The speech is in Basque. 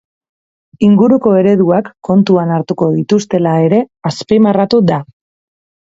Inguruko ereduak kontuan hartuko dituztela ere azpimarratu du.